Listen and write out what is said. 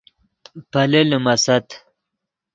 پیلے لیمیست